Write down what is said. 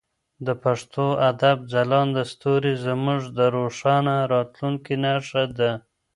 د پښتو ادب ځلانده ستوري زموږ د روښانه راتلونکي نښه ده.